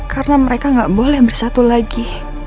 karena mereka gak boleh bersatu lagi